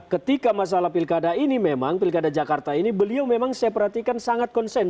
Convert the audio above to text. ketika masalah pilkada ini memang pilkada jakarta ini beliau memang saya perhatikan sangat konsen